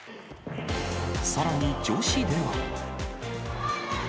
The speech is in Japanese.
さらに女子では。